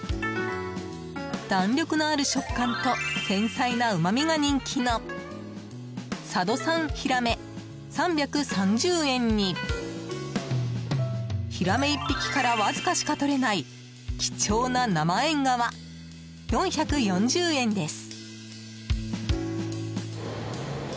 弾力のある食感と繊細なうまみが人気の佐渡産ヒラメ、３３０円にヒラメ１匹からわずかしかとれない貴重な生えんがわ、４４０円です。